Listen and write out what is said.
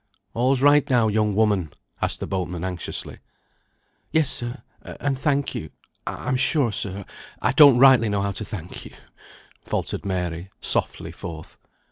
"All's right now, young woman?" asked the boatman, anxiously. "Yes, sir, and thank you. I'm sure, sir, I don't know rightly how to thank you," faltered Mary, softly forth.